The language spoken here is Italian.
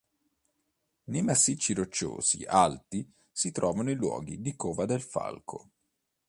Nei massicci rocciosi alti si trovano i luoghi di cova del falco.